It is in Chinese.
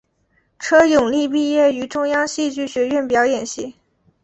车永莉毕业于中央戏剧学院表演系。